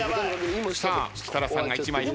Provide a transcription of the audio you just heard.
さあ設楽さんが１枚引きます。